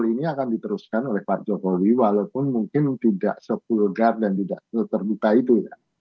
ini akan diteruskan oleh pak jokowi walaupun mungkin tidak sekulgar dan tidak seterbuka itu ya